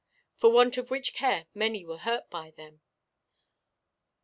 'For want of which care many were hurt by them.'